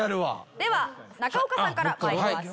では中岡さんから参りましょう。